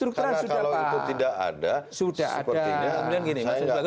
karena kalau itu tidak ada seperti ini